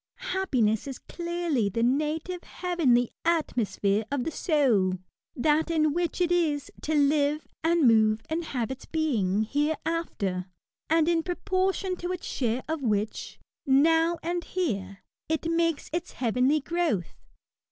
Happiness is clearly the native, heavenly atmo sphere of the soul — that in which it is " to live and move and have its being " hereafter, and in pro portion to its share of which, now and here, it makes its heavenly growth.